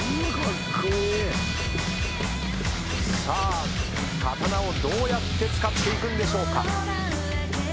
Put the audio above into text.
さあ刀をどうやって使っていくんでしょうか。